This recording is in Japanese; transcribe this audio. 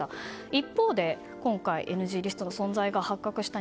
一方で今回ＮＧリストの存在が発覚した